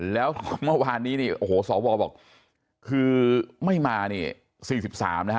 แล้วเมื่อวานนี้สวบอกคือไม่มาประธาน๔๓